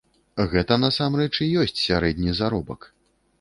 Гэта, насамрэч, і ёсць сярэдні заробак.